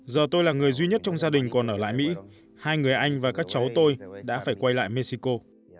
giờ tôi là người duy nhất trong gia đình còn ở lại mỹ hai người anh và các cháu tôi đã phải quay lại mexico